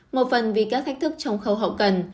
một phần vì các thách thức trong khâu hậu cần